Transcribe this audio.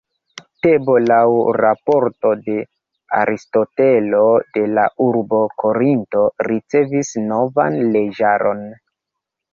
Tebo laŭ raporto de Aristotelo de la urbo Korinto ricevis novan leĝaron.